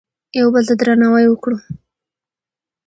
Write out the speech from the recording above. یو بل ته درناوی وکړو.